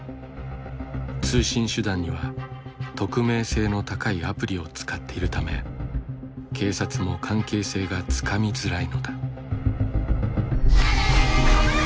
通信手段には匿名性の高いアプリを使っているため警察も関係性がつかみづらいのだ。